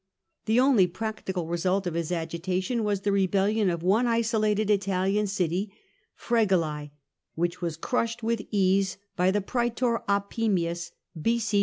The only practical result of his agitation was the rebellion of one isolated Italian city, Fregellae, which was crushed with ease by the praetor Opimius [b.c.